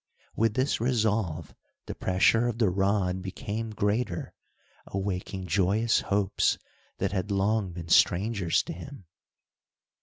With this resolve, the pressure of the rod became greater, awaking joyous hopes that had long been strangers to him.